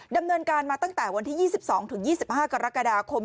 ดำเนินการมาตั้งแต่วันที่๒๒๒๕กรกฎาคม